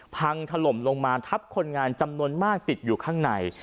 พังถล่มลงมาทับคนงานจำนวนมากติดอยู่ข้างใน